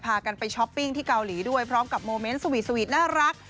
พากันไปช้อปปิ้งที่เกาหลีด้วยพร้อมกับโมเมนต์สวีทวีทน่ารัก